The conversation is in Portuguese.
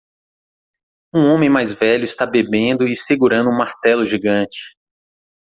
Um homem mais velho está bebendo e segurando um martelo gigante.